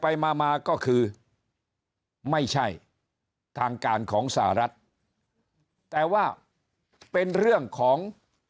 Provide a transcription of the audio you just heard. ไปมามาก็คือไม่ใช่ทางการของสหรัฐแต่ว่าเป็นเรื่องของ